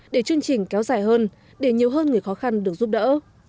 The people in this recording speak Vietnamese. để chương trình kéo dài hơn để nhiều hơn người khó khăn được giúp đỡ